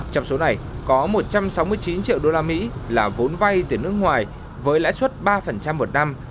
trong số này có một trăm sáu mươi chín triệu usd là vốn vay từ nước ngoài với lãi suất ba một năm